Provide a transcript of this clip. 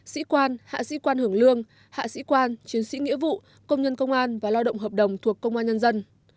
sĩ quan hạ sĩ quan hưởng lương hạ sĩ quan chiến sĩ nghĩa vụ công nhân công an và lao động hợp đồng thuộc công an nhân dân